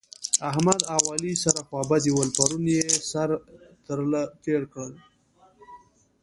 احمد او علي سره خوابدي ول؛ پرون يې سره تر له تېر کړل